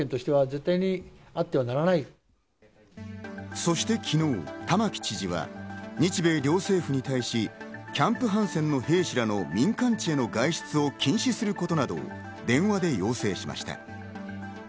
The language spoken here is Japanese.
そして昨日、玉城知事は日米両政府に対し、キャンプ・ハンセンの兵士らの民間人への外出を禁止することなどを電話で要請しました。